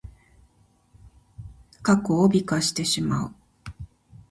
過去を美化してしまう。